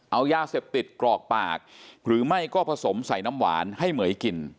เอายาเสพติดกรอกปากหรือไม่ก็ผสมใส่น้ำหวานให้เหมือยกิน